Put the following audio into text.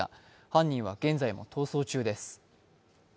犯人は現在も逃走中です。